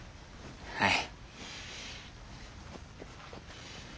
はい。